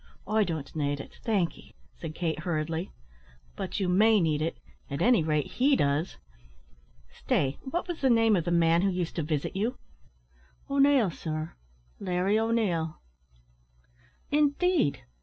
"I don't need it, thank 'ee," said Kate, hurriedly. "But you may need it; at any rate, he does. Stay, what was the name of the man who used to visit you?" "O'Neil, sir Larry O'Neil." "Indeed!